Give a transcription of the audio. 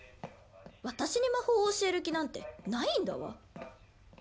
私に魔法を教える気なんてないんだわ。